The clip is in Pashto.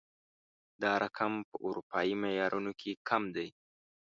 دا رقم په اروپايي معيارونو کې کم دی